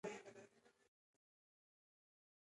آیا او دا زموږ دعا نه ده؟